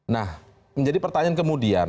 nah menjadi pertanyaan kemudian